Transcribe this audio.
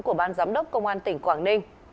của ban giám đốc công an tỉnh quảng ninh